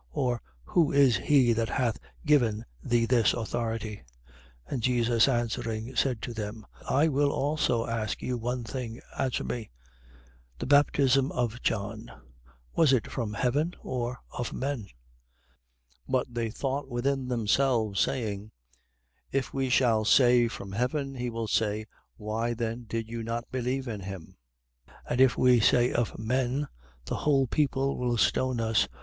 Or, who is he that hath given thee this authority? 20:3. And Jesus answering, said to them: I will also ask you one thing. Answer me: 20:4. The baptism of John, was it from heaven, or of men? 20:5. But they thought within themselves, saying: If we shall say, From heaven: he will say: Why then did you not believe in him? 20:6. But if we say, of men: the whole people will stone us.